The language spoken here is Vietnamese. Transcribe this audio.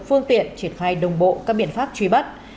phương tiện triển khai đồng bộ các biện pháp truy bắt